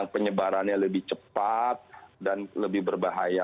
penyebarannya lebih cepat dan lebih berbahaya